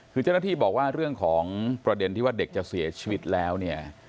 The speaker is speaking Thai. คือเจ้าหน้าที่บอกว่าเรื่องของประเด็นที่ว่าเด็กจะเสียชีวิตแล้วเนี่ย